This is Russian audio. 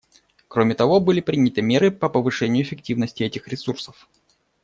Кроме того, были приняты меры по повышению эффективности этих ресурсов.